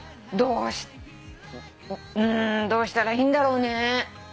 うんどうしたらいいんだろうね。